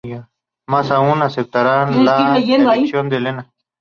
Más aún, ¿aceptarán la elección de Elena?